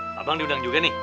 abang diundang juga nih